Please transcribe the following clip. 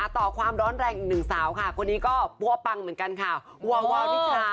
ต่อความร้อนแรงอีกหนึ่งสาวค่ะคนนี้ก็ปั้วปังเหมือนกันค่ะวาวาวนิทรา